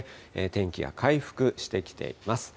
天気が回復してきています。